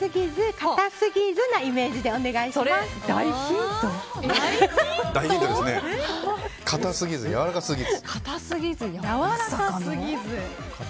硬すぎず、やわらかすぎず。